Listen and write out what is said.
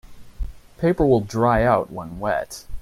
Paper will dry out when wet.